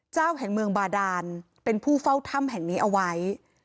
แห่งเมืองบาดานเป็นผู้เฝ้าถ้ำแห่งนี้เอาไว้